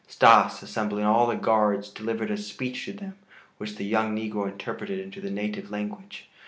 Stas, assembling all the guards, delivered a speech to them, which the young negro interpreted into the native language.